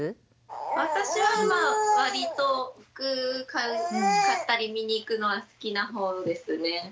私は割と服買ったり見に行くのは好きな方ですね。